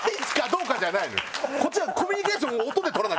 こっちは。